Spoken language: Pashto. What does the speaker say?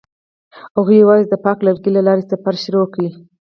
هغوی یوځای د پاک لرګی له لارې سفر پیل کړ.